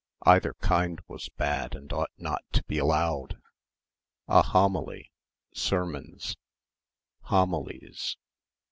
Either kind was bad and ought not to be allowed ... a homily ... sermons ... homilies